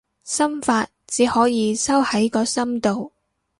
心法，只可以收喺個心度